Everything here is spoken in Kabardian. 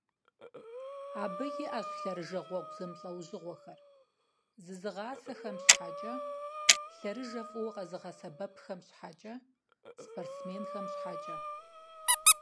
Абы иIэщ лъэрыжэ гъуэгу зэмылIэужьыгъуэхэр: зезыгъасэхэм щхьэкIэ, лъэрыжэр фIыуэ къэзыгъэсэбэпхэм щхьэкIэ, спортсменхэм щхьэкIэ.